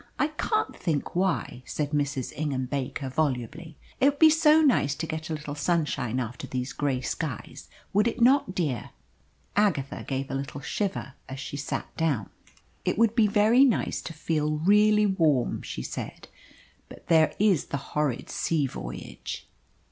I can't think why," said Mrs. Ingham Baker volubly. "It would be so nice to get a little sunshine after these grey skies, would it not, dear?" Agatha gave a little shiver as she sat down. "It would be very nice to feel really warm," she said. "But there is the horrid sea voyage."